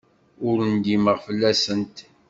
Ur ndimeɣ fell-asent.